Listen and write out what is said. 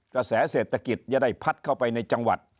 กระแสเศรษฐกิจจะได้พัดเข้าไปในจังหวัด